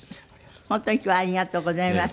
本当に今日はありがとうございました。